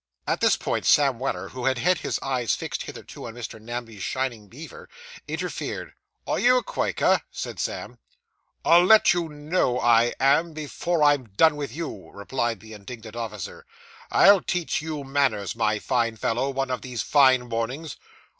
At this point, Sam Weller, who had had his eyes fixed hitherto on Mr. Namby's shining beaver, interfered. 'Are you a Quaker?' said Sam. 'I'll let you know I am, before I've done with you,' replied the indignant officer. 'I'll teach you manners, my fine fellow, one of these fine mornings.